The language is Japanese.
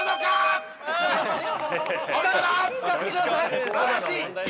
すばらしい！